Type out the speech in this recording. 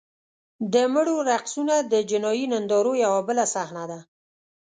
د مړو رقصونه د جنایي نندارو یوه بله صحنه ده.